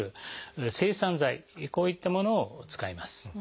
こういったものを使います。